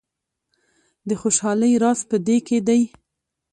د خوشحالۍ راز په دې کې دی.